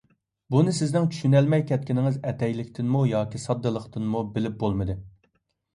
بۇنى سىزنىڭ چۈشىنەلمەي كەتكىنىڭىز ئەتەيلىكتىنمۇ ياكى ساددىلىقتىنمۇ بىلىپ بولمىدى.